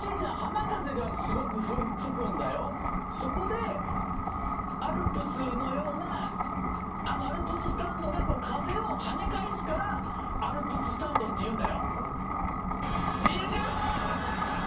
そこでアルプスのようなあのアルプススタンドが風を跳ね返すからアルプススタンドっていうんだよいや違うの？